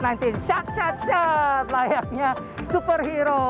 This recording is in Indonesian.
syak syak syak layaknya superhero